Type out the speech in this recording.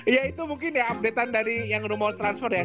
ya itu mungkin ya update an dari yang rumor transfer ya